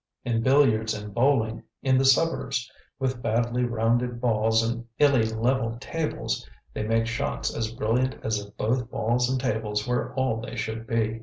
In billiards and bowling, in the suburbs, with badly rounded balls and illy leveled tables, they make shots as brilliant as if both balls and tables were all they should be.